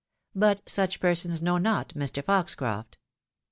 But such persons know not Mr. Foxcroft.